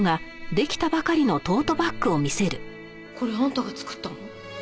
これあんたが作ったの？